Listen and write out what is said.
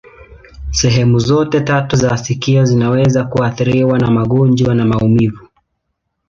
Sehemu zote tatu za sikio zinaweza kuathiriwa na magonjwa na maumivu.